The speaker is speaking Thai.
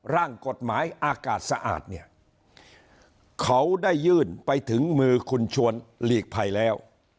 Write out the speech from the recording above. ร่างกฎหมายอากาศสะอาดเนี่ยเขาได้ยื่นไปถึงมือคุณชวนหลีกภัยแล้ว